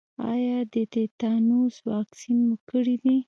ایا د تیتانوس واکسین مو کړی دی؟